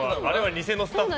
偽のスタッフ。